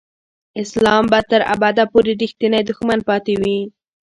اسلام به تر ابده پورې رښتینی دښمن پاتې وي.